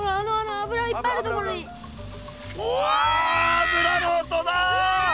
油の音だ！